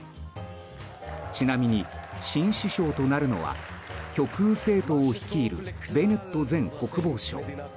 ちなみに、新首相となるのは極右政党を率いるベネット前国防相。